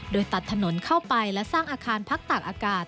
โดยตัดถนนเข้าไปและสร้างอาคารพักตากอากาศ